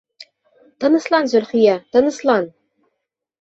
Тыныслан, Зөлхиә, тыныслан!